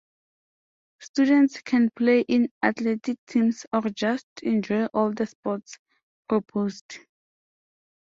Students can play in athletic teams, or just enjoy all the sports proposed.